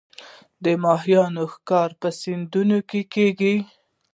د ماهیانو ښکار په سیندونو کې کیږي